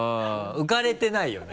浮かれてないよね。